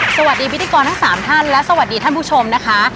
สวัสดีพิธีกรทั้ง๓ท่านและสวัสดีท่านผู้ชมนะคะ